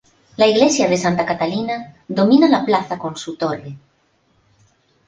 La Iglesia de Santa Catalina domina la plaza con su torre.